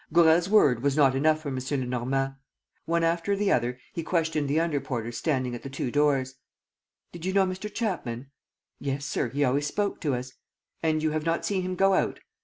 Gourel's word was not enough for M. Lenormand. One after the other, he questioned the under porters standing at the two doors: "Did you know Mr. Chapman?" "Yes, sir, he always spoke to us." "And you have not seen him go out?"